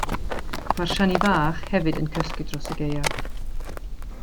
Mae'r siani fach hefyd yn cysgu dros y gaeaf.